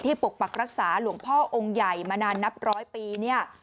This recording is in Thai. ปกปักรักษาหลวงพ่อองค์ใหญ่มานานนับร้อยปีเนี่ย